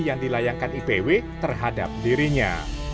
yang dilayangkan ipw terhadap dirinya